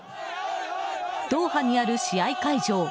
ドーハにある試合会場